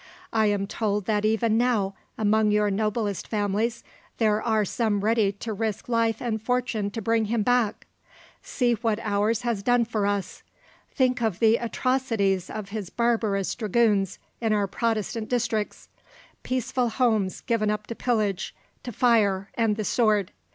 I am told that even now among your noblest families there are some ready to risk life and fortune to bring him back! See what ours has done for us! Think of the atrocities of his barbarous dragoons in our Protestant districts peaceful homes given up to pillage, to fire, and the sword.